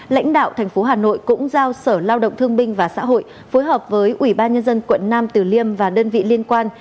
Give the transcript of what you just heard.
lãnh đạo tp hà nội cũng giao sở lao động thương binh và xã hội phối hợp với ubnd quận năm từ liêm và đơn vị liên quan